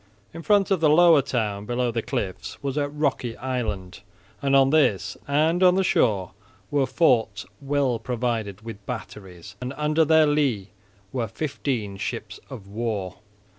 In front of the lower town below the cliffs was a rocky island, and on this and on the shore were forts well provided with batteries, and under their lee were fifteen ships of war.